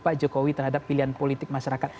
pak jokowi terhadap pilihan politik masyarakat